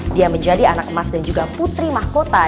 dia menjadi anak emas dan juga putri mahkota